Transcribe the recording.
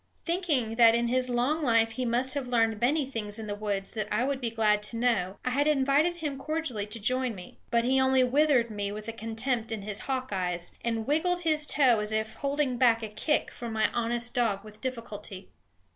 Thinking that in his long life he must have learned many things in the woods that I would be glad to know, I had invited him cordially to join me. But he only withered me with the contempt in his hawk eyes, and wiggled his toe as if holding back a kick from my honest dog with difficulty.